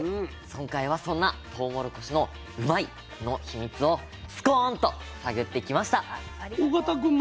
今回はそんなとうもろこしのうまいッ！のヒミツを「すコーン」と探ってきました！